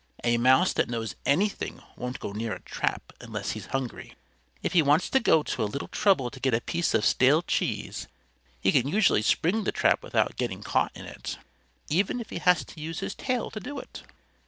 "A mouse that knows anything won't go near a trap unless he's hungry. If he wants to go to a little trouble to get a piece of stale cheese he can usually spring the trap without getting caught in it even if he has to use his tail to do it."